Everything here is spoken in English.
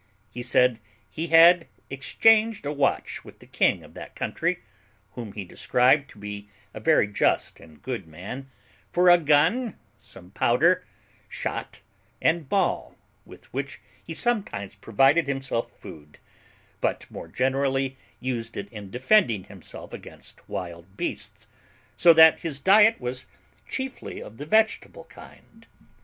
He said he had exchanged a watch with the king of that country, whom he described to be a very just and good man, for a gun, some powder, shot, and ball, with which he sometimes provided himself food, but more generally used it in defending himself against wild beasts; so that his diet was chiefly of the vegetable kind.